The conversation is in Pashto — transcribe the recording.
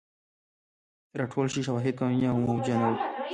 راټول شوي شواهد قانوني او موجه نه وو.